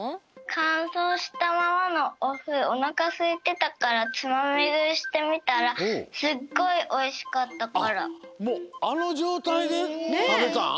かんそうしたままのおふおなかすいてたからもうあのじょうたいでたべたん？